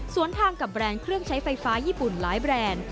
ส่วนทางกับแบรนด์เครื่องใช้ไฟฟ้าญี่ปุ่นหลายแบรนด์